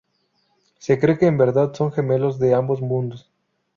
Se cree que en verdad son gemelos de ambos mundos.